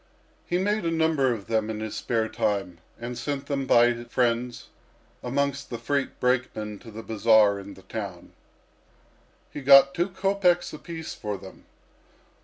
He made a number of them in his spare time, and sent them by his friends amongst the freight brakemen to the bazaar in the town. He got two kopeks apiece for them.